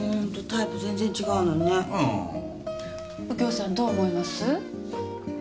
右京さんどう思います？